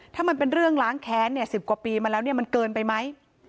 ถ้ามันเป็นเรื่องล้างแค้น๑๐กว่าปีมาแล้วมันเกินไปไหม